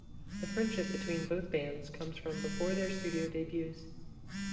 The friendship between both bands comes from before their studio debuts.